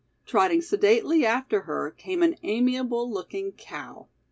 Trotting sedately after her came an amiable looking cow.